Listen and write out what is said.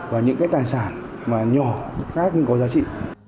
và những cái tài sản mà nhỏ khác nhưng có giá trị